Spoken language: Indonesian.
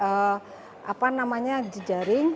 kementerian pemberdayaan perempuan mempunyai jaring